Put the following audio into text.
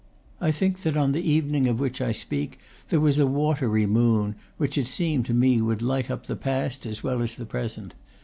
I think that on the evening of which I speak there was a watery moon, which it seemed to me would light up the past as well as the present.